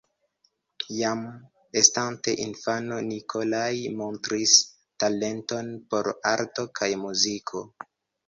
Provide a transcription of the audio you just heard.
Jam estante infano Nikolai montris talenton por arto kaj muziko.